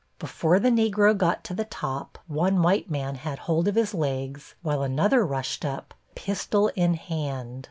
Before the Negro got to the top one white man had hold of his legs, while another rushed up, pistol in hand.